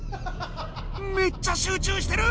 めっちゃ集中してる！